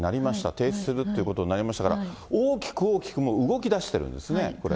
提出するということになりましたから、大きく大きくもう動きだしてるんですね、これ。